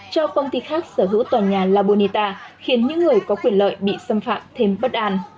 cho công ty khác sở hữu tòa nhà labonita khiến những người có quyền lợi bị xâm phạm thêm bất an